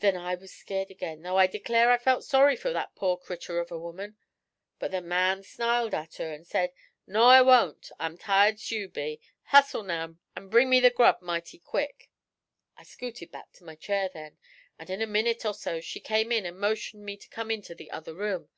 'Then I was scairt ag'in, though I declare I felt sorry fer that poor crittur of a woman. 'But the man snarled at her, and says, "Naw, I won't; I'm tired's you be. Hustle now, an' bring me the grub mighty quick." 'I scooted back to my chair then, and in a minit or so she come in an' motioned me to come into the other room.